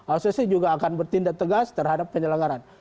asosiasi juga akan bertindak tegas terhadap penyelenggaran